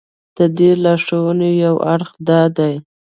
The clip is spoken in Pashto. د دې لارښوونې یو اړخ دا دی.